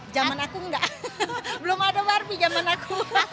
zaman aku enggak belum ada barbie zaman aku